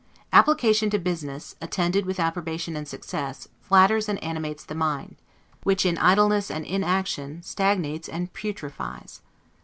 Application to business, attended with approbation and success, flatters and animates the mind: which, in idleness and inaction, stagnates and putrefies.